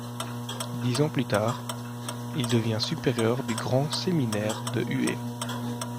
Dix ans plus tard, il devient supérieur du grand séminaire de Hué.